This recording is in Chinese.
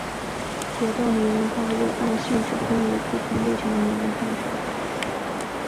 铁道拟人化又按性质分为不同类型的拟人化手法。